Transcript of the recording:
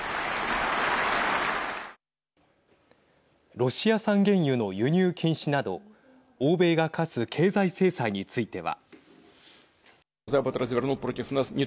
ロシア産原油の輸入禁止など欧米が科す経済制裁については。